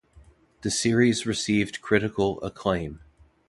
The series received critical acclaim.